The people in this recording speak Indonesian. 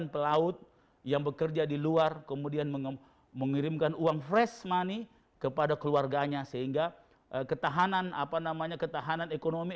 ribuan pelaut yang bekerja di luar kemudian mengirimkan uang fresh money kepada keluarganya sehingga ketahanan ekonomi